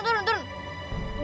kakak tuh ada badut